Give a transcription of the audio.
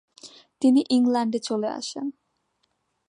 তিনি ইংল্যান্ডে চলে আসেন।